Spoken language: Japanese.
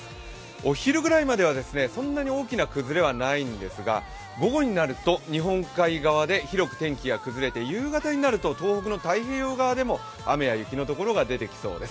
お昼ごろまではそんなに大きな崩れはないんですが、午後になると日本海側で広く天気が崩れて夕方になると東北の太平洋側でも雨や雪のところが出てきそうです。